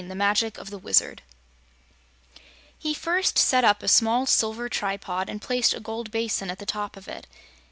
The Magic of the Wizard He first set up a small silver tripod and placed a gold basin at the top of it.